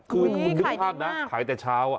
คือคุณนึกภาพนะขายแต่เช้า